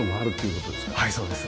はいそうです。